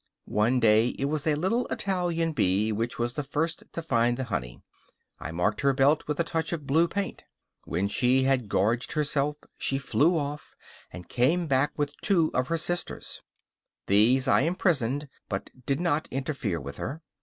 One day it was a little Italian bee which was the first to find the honey; I marked her belt with a touch of blue paint. When she had gorged herself she flew off, and came back with two of her sisters; these I imprisoned, but did not interfere with her.